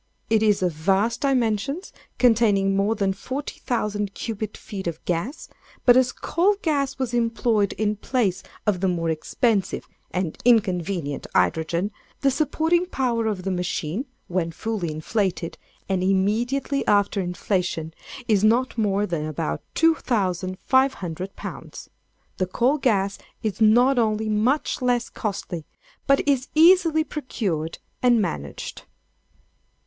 It is of vast dimensions, containing more than 40,000 cubic feet of gas; but as coal gas was employed in place of the more expensive and inconvenient hydrogen, the supporting power of the machine, when fully inflated, and immediately after inflation, is not more than about 2500 pounds. The coal gas is not only much less costly, but is easily procured and managed.